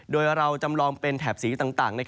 โดยเราจำลองเป็นแถบสีต่าง